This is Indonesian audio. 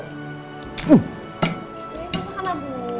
cuma pas akan abu